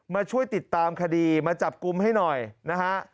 มาช่วยติดตามคดีมาจับกลุ่มให้หน่อยนะฮะ